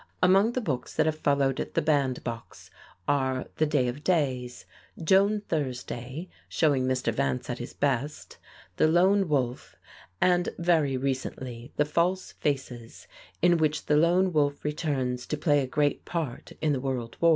Among the books that have followed "The Bandbox" are "The Day of Days," "Joan Thursday," showing Mr. Vance at his best, "The Lone Wolf," and very recently, "The False Faces," in which the Lone Wolf returns to play a great part in the World War.